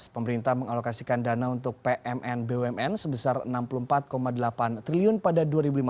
pemerintah mengalokasikan dana untuk pmn bumn sebesar rp enam puluh empat delapan triliun pada dua ribu lima belas